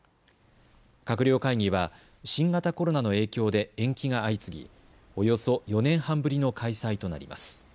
閣僚会議は新型コロナの影響で延期が相次ぎおよそ４年半ぶりの開催となります。